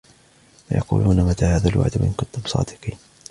وَيَقُولُونَ مَتَى هَذَا الْوَعْدُ إِنْ كُنْتُمْ صَادِقِينَ